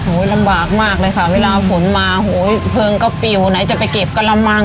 ลำบากมากเลยค่ะเวลาฝนมาโหยเพลิงก็ปิวไหนจะไปเก็บกระมัง